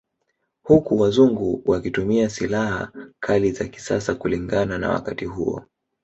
Huku wazungu wakitumia sihala kali za kisasa kulingana na wakati huo